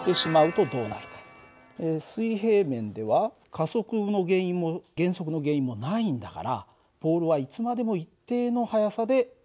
水平面では加速の原因も減速の原因もないんだからボールはいつまでも一定の速さで運動をする。